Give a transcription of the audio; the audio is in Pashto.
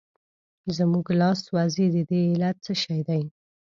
زموږ لاس سوځي د دې علت څه شی دی؟